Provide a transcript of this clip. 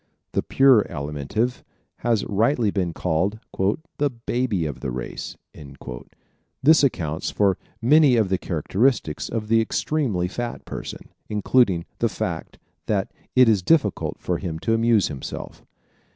The pure Alimentive has rightly been called "the baby of the race." This accounts for many of the characteristics of the extremely fat person, including the fact that it is difficult for him to amuse himself.